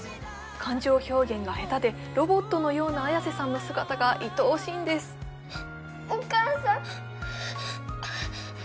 感情表現がヘタでロボットのような綾瀬さんの姿がいとおしいんですお母さん